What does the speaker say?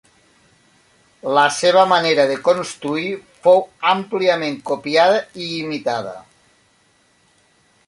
La seva manera de construir fou àmpliament copiada i imitada.